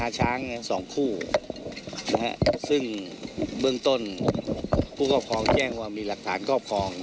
ช้าง๒คู่ซึ่งเบื้องต้นผู้ครอบครองแจ้งว่ามีหลักฐานครอบครอง